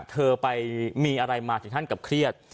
เธอไปมีอะไรมาถึงท่านกับเครียด